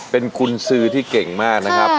เป็นกุญสือที่เก่งมากนะครับ